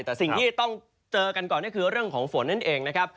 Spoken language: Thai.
แต่สิ่งที่ต้องเจอกันก่อนก็คือเรื่องของฝนนั่นเองนะครับ